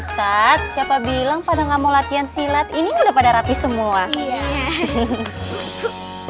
ustadz siapa bilang pada gak mau latihan silat ini udah pada rapih semua